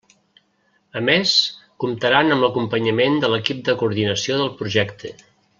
A més comptaran amb l'acompanyament de l'equip de coordinació del projecte.